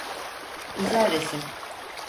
Güzel resim.